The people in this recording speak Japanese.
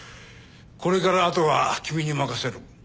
これからあとは君に任せる。